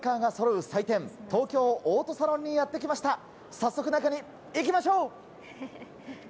早速、中に行きましょう！